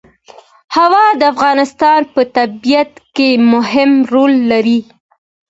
هوا د افغانستان په طبیعت کې مهم رول لري.